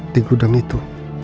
di gudang itu